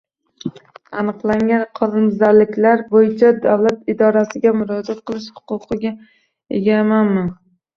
Aniqlangan qoidabuzarliklar bo‘yicha davlat idorasiga murojaat qilish huquqiga egamanmi?